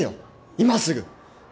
今すぐ